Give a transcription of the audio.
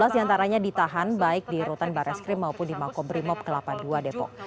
delapan belas diantaranya ditahan baik di rutan barreskrim maupun di makobrimob kelapa ii depok